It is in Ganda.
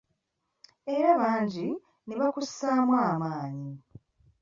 Era bangi ne bakussaamu amaanyi.